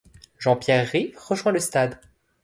Jean-Pierre Rives rejoint le stade.